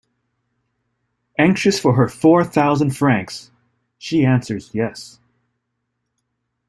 Anxious for her four thousand francs, she answers 'Yes.'